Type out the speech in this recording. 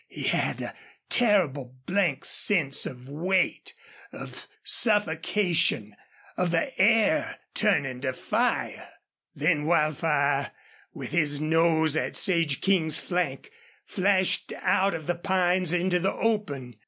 He had a terrible blank sense of weight, of suffocation, of the air turning to fire. Then Wildfire, with his nose at Sage King's flank, flashed out of the pines into the open.